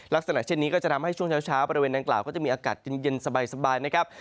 ลักษณะเช่นนี้ก็จะทำให้ช่วงเช้าบริเวณดังกล่าวก็จะมีอากาศเย็นสบายนะครับ